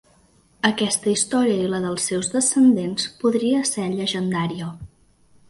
Aquesta història i la dels seus descendents podria ser llegendària.